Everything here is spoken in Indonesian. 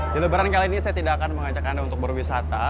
di lebaran kali ini saya tidak akan mengajak anda untuk berwisata